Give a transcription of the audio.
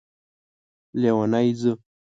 لیونی ځو